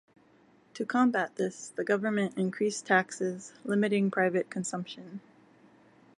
To combat this, the government increased taxes, limiting private consumption.